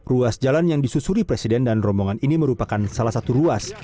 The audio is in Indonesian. ruas jalan yang disusuri presiden dan rombongan ini merupakan salah satu ruas